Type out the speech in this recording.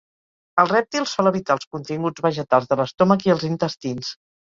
El rèptil sol evitar els continguts vegetals de l'estómac i els intestins.